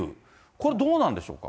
これ、どうなんでしょうか。